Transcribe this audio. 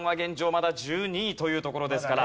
まだ１２位というところですから。